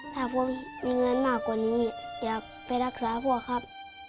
ถ้าผมมีเงินมากกว่านี้อยากไปรักษาพ่อครับ